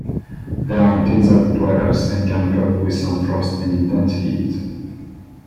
They are desert dwellers and can cope with some frost and intense heat.